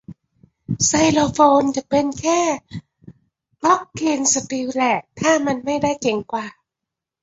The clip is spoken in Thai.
ไซโลโฟนจะเป็นแค่กล็อคเคนสปิลแหละ ถ้ามันไม่ได้เจ๋งกว่า